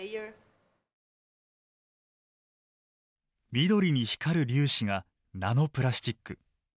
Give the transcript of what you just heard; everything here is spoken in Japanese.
緑に光る粒子がナノプラスチック。